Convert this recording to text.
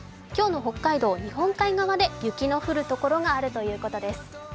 今日の北海道、日本海側で雪の降るところがあるということです。